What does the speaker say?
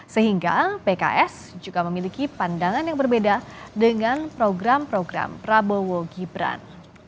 sehingga pks juga memiliki pandangan yang berbeda dengan program program prabowo gibran